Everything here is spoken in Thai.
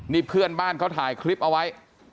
นี่เพื่อนบ้านเขาถ่ายคลิปเอาไว้